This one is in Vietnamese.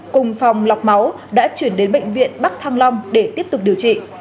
cùng phòng lọc máu đã chuyển đến bệnh viện bắc thăng long để tiếp tục điều trị